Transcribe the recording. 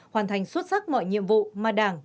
hoàn thành xuất sắc mọi nhiệm vụ mà đảng